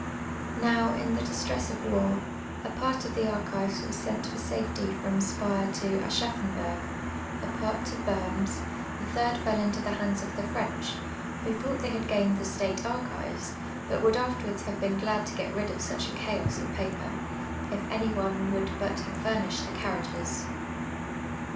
Now, in the distress of war, a part of the archives was sent for safety fi'om Spire to Aschaffonburg, a pai't to Worms, the tliii d fell into the hands of the PVench, who thonght they had gained the state archives, but would afterwards have been glad to get rid of such a chaos of paper, if any one would but have fiu nished the carriages.